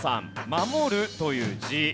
「守る」という字。